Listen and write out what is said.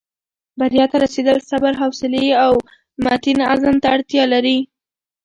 بریا ته رسېدل صبر، حوصلې او متین عزم ته اړتیا لري.